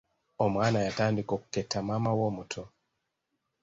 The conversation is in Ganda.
Omwana yatandika okuketta maama we omuto.